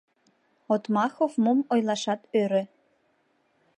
Отмахов мом ойлашат ӧрӧ.